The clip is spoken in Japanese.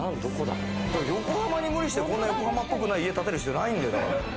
横浜に無理してこんな横浜っぽくない家建てることないんだよ。